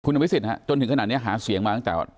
คุณภิกษิศครับจนถึงขนาดนี้หาเสียงมาตั้งแต่